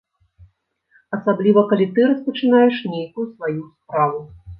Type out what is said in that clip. Асабліва, калі ты распачынаеш нейкую сваю справу.